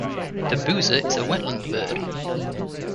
The boozer is a wetland bird.